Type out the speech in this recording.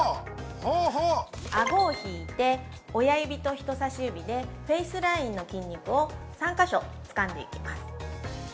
◆あごを引いて親指と人さし指でフェイスラインの筋肉を３か所つかんでいきます。